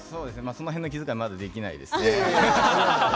その辺の気遣いはまだできないですね。